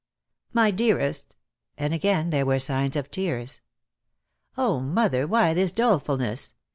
"My dearest," and again there were signs of tears. "Oh, mother, why this dolefulness?